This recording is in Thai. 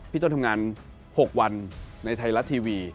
พี่ต้นทำงาน๖วันในไทยรัฐทีวี